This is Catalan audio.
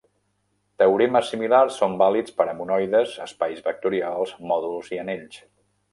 Teoremes similars són vàlids per a monoides, espais vectorials, mòduls i anells.